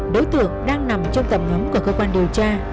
đối tượng đang nằm trong tầm ngắm của cơ quan điều tra